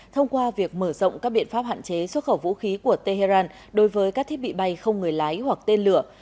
thông qua việc mở rộng các biện pháp hạn chế xuất khẩu vũ khí của tehran đối với các thiết bị bay không người lái hoặc tên lửa